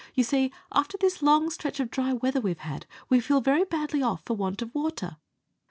You see, after this long stretch of dry weather we've had, we feel very badly off for want of water.